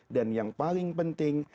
dan yang paling penting